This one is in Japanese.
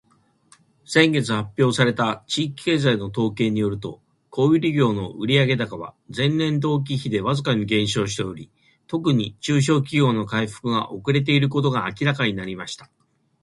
「先月発表された地域経済の統計によると、小売業の売上高は前年同期比でわずかに減少しており、特に中小企業の回復が遅れていることが明らかになりました。」